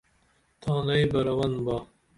تانئی بہ رون با